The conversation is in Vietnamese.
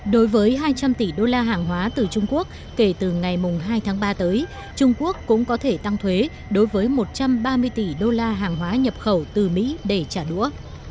đối với hai trăm linh tỷ đô la hàng hóa từ trung quốc kể từ ngày hai tháng ba tới trung quốc cũng có thể tăng thuế đối với một trăm ba mươi tỷ đô la hàng hóa nhập khẩu từ mỹ để trả đũa